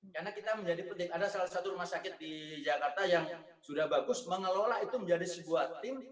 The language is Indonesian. karena kita menjadi penting ada salah satu rumah sakit di jakarta yang sudah bagus mengelola itu menjadi sebuah tim